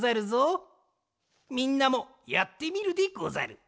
みんなもやってみるでござる！